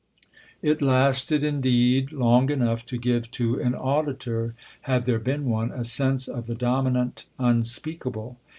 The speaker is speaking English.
It lasted indeed long enough to give to an auditor, had there been one, a sense of the dominant unspeakable.